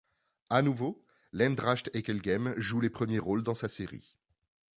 À nouveau, l'Eendracht Hekelgem joue les premiers rôles dans sa série.